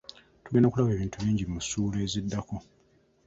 Tugenda kulaba ebintu bingi mu ssuula eziddako.